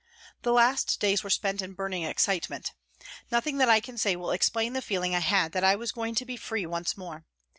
The last days were spent in burning excitement. Nothing that I can say will explain the feeling I had that I was going to be free once more.